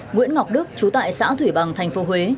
nguyễn ngọc đức chú tại xã thủy bằng tp huế